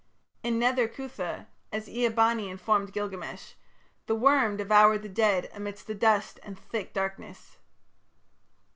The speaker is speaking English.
In Nether Cuthah, as Ea bani informed Gilgamesh, the worm devoured the dead amidst the dust and thick darkness.